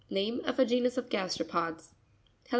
Name of a genus of gasteropods (page 39).